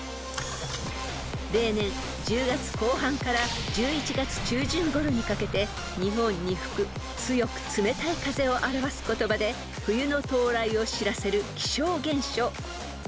［例年１０月後半から１１月中旬ごろにかけて日本に吹く強く冷たい風を表す言葉で冬の到来を知らせる気象現象］